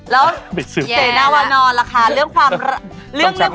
แล้วเศรษฐ์นาวนอนล่ะค่ะเรื่องความรัก